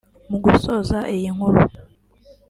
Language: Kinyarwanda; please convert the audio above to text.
Mu gusoza iyi nkuru